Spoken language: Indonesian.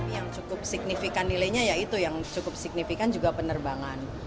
yang cukup signifikan nilainya yaitu penerbangan